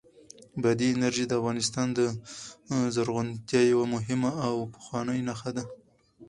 بادي انرژي د افغانستان د زرغونتیا یوه مهمه او پخوانۍ نښه ده.